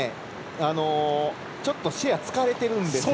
ちょっとシェア疲れてるんですね。